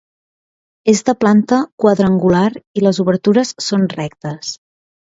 És de planta quadrangular i les obertures són rectes.